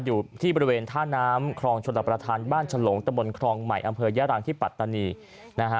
อยู่ที่บริเวณท่าน้ำครองชนรับประทานบ้านฉลงตะบนครองใหม่อำเภอย่ารังที่ปัตตานีนะฮะ